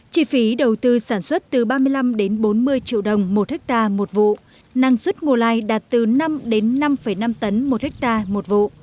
chi phí đầu tư sản xuất từ ba mươi năm đến bốn mươi triệu đồng một ha một vụ năng suất ngô lai đạt từ năm đến năm năm tấn một hectare một vụ